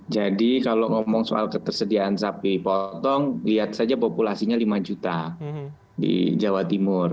jadi kalau ngomong soal ketersediaan sapi potong lihat saja populasinya lima juta di jawa timur